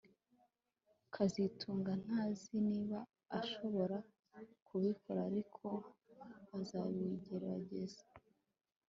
kazitunga ntazi niba ashobora kubikora ariko azabigerageza